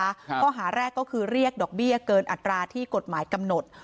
ข้อหาแรกก็คือเรียกดอกเบี้ยเกินอัตราที่กฎหมายกำหนด